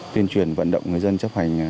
tuyên truyền vận động người dân chấp hành